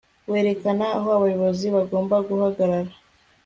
werekana aho abayobozi bagomba guhagarara